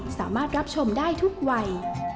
สามารถรับชมได้ทุกวัย